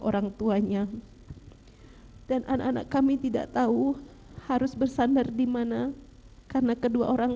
orang tuanya dan anak anak kami tidak tahu harus bersandar dimana karena kedua orang